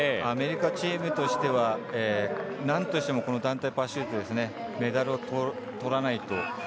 アメリカチームとしてはなんとしてもこの団体パシュートメダルをとらないと。